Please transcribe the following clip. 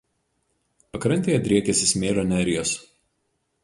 Pakrantėje driekiasi smėlio nerijos.